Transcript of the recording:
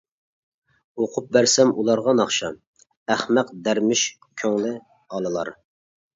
ئوقۇپ بەرسەم ئۇلارغا ناخشا، «ئەخمەق» دەرمىش كۆڭلى ئالىلار.